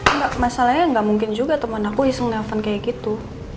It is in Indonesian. enggak masalahnya gak mungkin juga temen aku iseng ngehafan kayak gitu